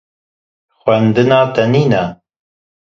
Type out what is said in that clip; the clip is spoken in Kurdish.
Xwendina te nîne?